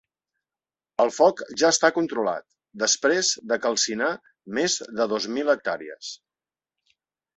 El foc ja està controlat, després de calcinar més de dos mil hectàrees.